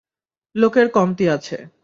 লোকের কমতি আছে।